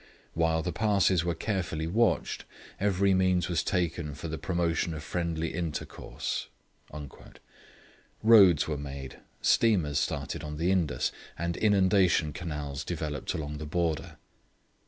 While the passes were carefully watched, every means was taken for the promotion of friendly intercourse.' Roads were made, steamers started on the Indus, and inundation canals developed along the border.